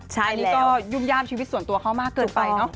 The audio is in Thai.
อันนี้ก็ยุ่มย่ามชีวิตส่วนตัวเขามากเกินไปเนอะ